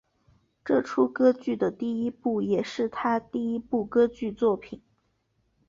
这出歌剧的第一部也是他第一部歌剧作品。